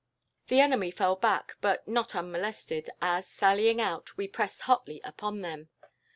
"The enemy fell back, but not unmolested, as, sallying out, we pressed hotly upon them.